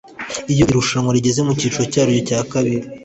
Iyo iri rushanwa rigeze mu kiciro cyaryo cya kabiri